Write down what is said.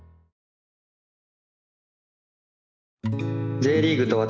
「Ｊリーグと私」